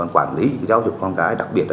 quản lý giáo dục con gái đặc biệt